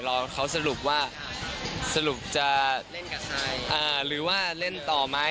รอเขาสรุปว่าสรุปจะเล่นกับใครอ่าหรือว่าเล่นต่อไหม